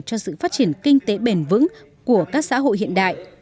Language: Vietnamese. cho sự phát triển kinh tế bền vững của các xã hội hiện đại